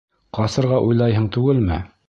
— Ҡасырға уйлайһың түгелме?